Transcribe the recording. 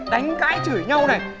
đánh cãi chửi nhau này